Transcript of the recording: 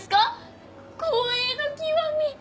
光栄の極み！